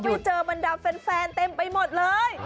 ไปเจอบรรดาแฟนเต็มไปหมดเลย